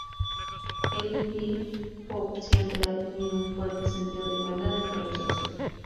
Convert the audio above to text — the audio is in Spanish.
El indie pop siempre ha tenido un fuerte sentido de igualdad entre los sexos.